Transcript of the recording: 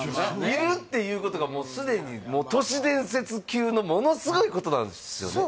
いるっていうことがもうすでに都市伝説級のものすごいことなんですよね